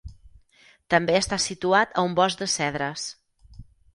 També està situat a un bosc de cedres.